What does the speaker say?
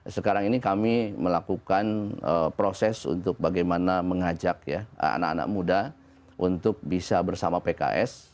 sekarang ini kami melakukan proses untuk bagaimana mengajak anak anak muda untuk bisa bersama pks